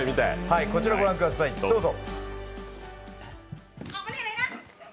こちら、ご覧ください、どうぞ。